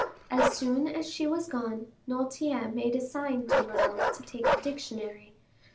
As soon as she was gone, Noirtier made a sign to Morrel to take the dictionary.